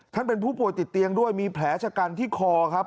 เป็นผู้ป่วยติดเตียงด้วยมีแผลชะกันที่คอครับ